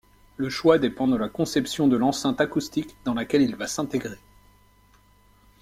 Le choix dépend de la conception de l'enceinte acoustique dans laquelle il va s'intégrer.